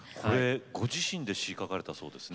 ご自身で詞を書かれたそうですね。